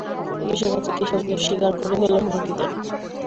পুলিশের কাছে গিয়ে সবকিছু স্বীকার করে ফেলার হুমকি দেন।